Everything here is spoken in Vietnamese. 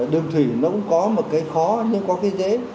đường thủy nó cũng có một cái khó nhưng có cái dễ